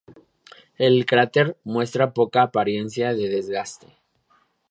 El cráter muestra poca apariencia de desgaste.